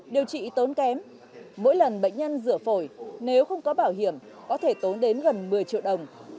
điều trị tốn kém mỗi lần bệnh nhân rửa phổi nếu không có bảo hiểm có thể tốn đến gần một mươi triệu đồng